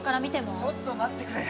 ちょっと待ってくれ。